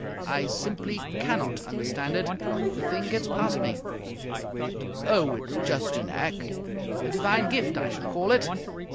I simply cannot understand it. The thing gets past me." "Oh, it's just a knack." "A divine gift, I should call it."